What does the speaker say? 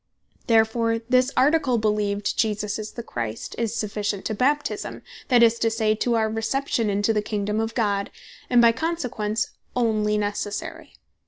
Therefore this Article beleeved, Jesus Is The Christ, is sufficient to Baptisme, that is to say, to our Reception into the Kingdome of God, and by consequence, onely Necessary.